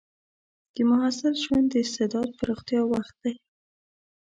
د محصل ژوند د استعداد پراختیا وخت دی.